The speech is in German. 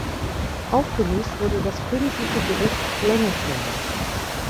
Aufgelöst wurde das Königliche Gericht Lengefeld.